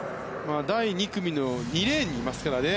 第２組の２レーンにいますからね。